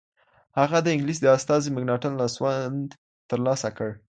هغه د انگلیس د استازي مکناتن لاسوند ترلاسه کړ.